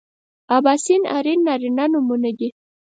اباسین ارین نارینه نومونه دي